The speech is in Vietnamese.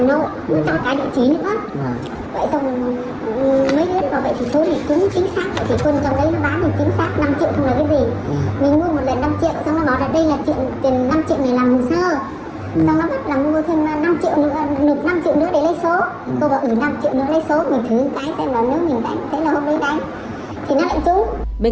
nó lại đúng xong không xong nó lại cho chết